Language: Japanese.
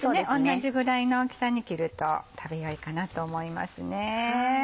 同じぐらいの大きさに切ると食べよいかなと思いますね。